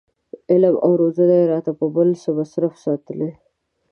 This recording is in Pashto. علم او روزنه یې راته په بل څه مصروف ساتلي.